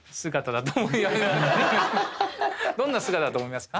どんな姿だと思いますか？